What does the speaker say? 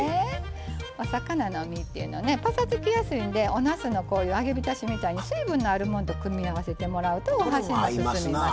お魚の身っていうのはぱさつきやすいのでおなすのこういう揚げびたしみたいに水分のあるものと組み合わせてもらうとお箸も進みます。